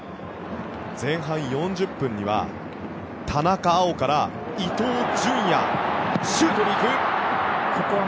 前半４０分には田中碧から伊東純也。